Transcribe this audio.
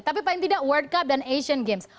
tapi paling tidak world cup dan asian games